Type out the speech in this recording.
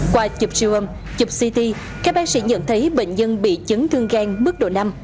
qua chụp siêu âm chụp ct các bác sĩ nhận thấy bệnh nhân bị chấn thương gan mức độ năm